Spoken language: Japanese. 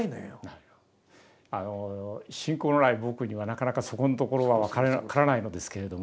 あの信仰のない僕にはなかなかそこんところは分からないのですけれども。